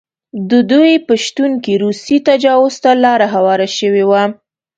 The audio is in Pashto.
د دوی په شتون کې روسي تجاوز ته لاره هواره شوې وه.